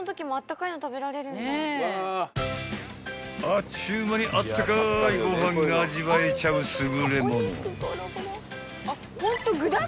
［あっちゅう間にあったかいご飯が味わえちゃう優れもの］